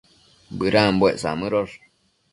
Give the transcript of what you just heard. Bëdambuec samëdosh